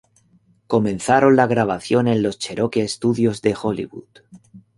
Comenzaron la grabación en los Cherokee Studios de Hollywood.